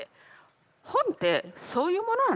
本ってそういうものなの？